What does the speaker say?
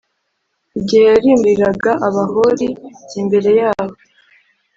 igihe yarimburiraga abahori+ imbere yabo